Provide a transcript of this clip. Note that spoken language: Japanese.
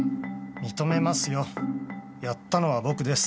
認めますよやったのは僕です。